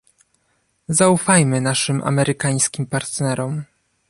Zaufajmy naszym amerykańskim partnerom